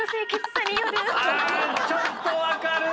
ちょっと分かる！